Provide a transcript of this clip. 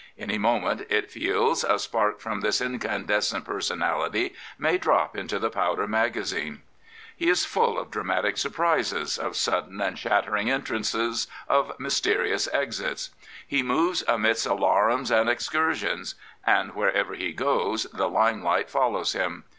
Any moment, it feels, a spark from this incandescent personality may drop into the powder magazine. He is full of dramatic surprises, of sudden and shattering entrances, of mysterious exits. He moves amidst alarums and excursions. And wherever he goes the limelight follows him.